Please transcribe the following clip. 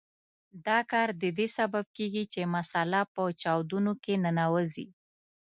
دا کار د دې سبب کیږي چې مساله په چاودونو کې ننوځي.